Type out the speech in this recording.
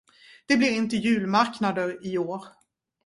Det blir inte julmarknader i år.